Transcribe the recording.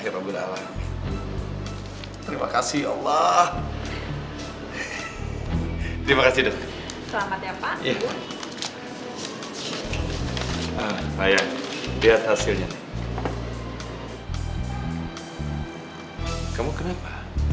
sampai jumpa di video selanjutnya